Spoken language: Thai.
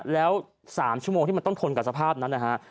แล้ว๓ชั่วโมงที่มันต้องทนกับสภาพนั้นนะฮะ